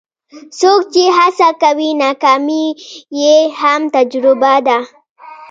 څوک چې هڅه کوي، ناکامي یې هم تجربه ده.